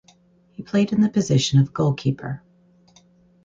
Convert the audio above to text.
He played in the position of goalkeeper.